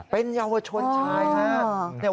เป็นเยาวชนใช่นะฮะ